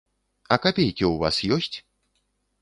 А капейкі ў вас ёсць?